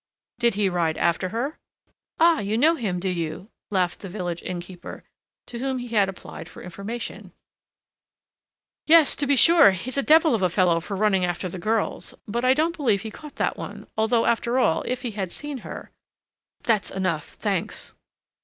"Did he ride after her?" "Ah! you know him, do you?" laughed the village innkeeper, to whom he had applied for information. "Yes, to be sure; he's a devil of a fellow for running after the girls. But I don't believe he caught that one; although, after all, if he had seen her " "That's enough, thanks!"